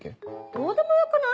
どうでもよくない？